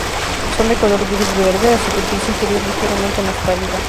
Son de color gris-verde, la superficie inferior ligeramente más pálida.